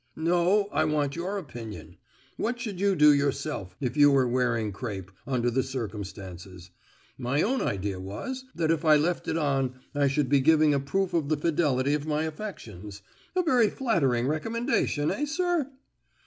"No, I want your opinion. What should you do yourself, if you were wearing crape, under the circumstances? My own idea was, that if I left it on, I should be giving a proof of the fidelity of my affections. A very flattering recommendation, eh, sir?"